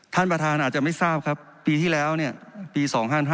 ท่านประธานอาจจะไม่ทราบครับปีที่แล้วปี๒๕๕๙